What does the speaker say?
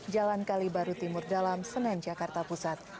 jalan kali baru timur dalam senen jakarta pusat